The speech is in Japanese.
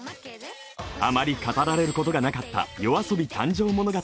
あまり語られることがなかったＹＯＡＳＯＢＩ誕生物語。